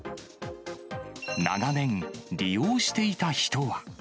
長年、利用していた人は。